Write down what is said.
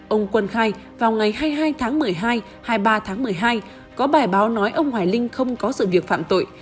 ông quân khai vào ngày hai mươi hai tháng một mươi hai hai mươi ba tháng một mươi hai có bài báo nói ông hoài linh không có sự việc phạm tội